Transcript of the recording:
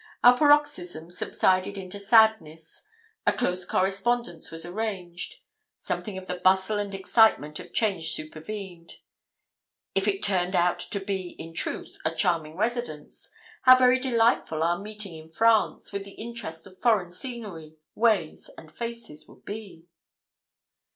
Our paroxysms subsided into sadness; a close correspondence was arranged. Something of the bustle and excitement of change supervened. If it turned out to be, in truth, a 'charming residence,' how very delightful our meeting in France, with the interest of foreign scenery, ways, and faces, would be!